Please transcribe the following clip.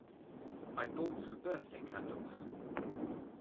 I bought some birthday candles.